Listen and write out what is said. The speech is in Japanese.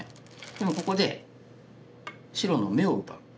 でもここで白の眼を奪う。